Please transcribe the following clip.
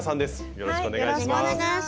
よろしくお願いします。